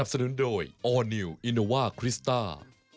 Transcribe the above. แอลอิเนวาคริสตา